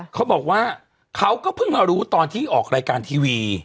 เขาบอกว่าเขาก็เพิ่งมารู้ตอนที่ออกรายการทีวี